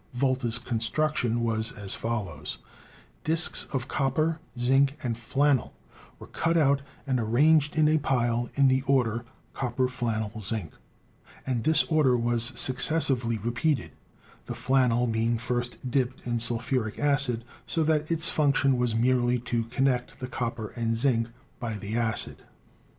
Volta's construction was as follows: Disks of copper, zinc and flannel were cut out and arranged in a pile in the order, copper, flannel, zinc, and this order was successively repeated, the flannel being first dipped in sulphuric acid so that its function was merely to connect the copper and zinc by the acid.